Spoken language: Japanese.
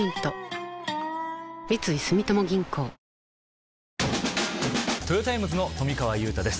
ＪＴトヨタイムズの富川悠太です